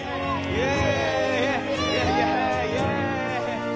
イエイ！